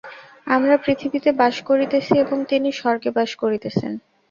আমরা পৃথিবীতে বাস করিতেছি এবং তিনি স্বর্গে বাস করিতেছেন।